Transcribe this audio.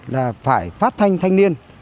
là phải phát thanh thanh niên